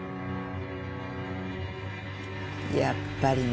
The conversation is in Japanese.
やっぱりね。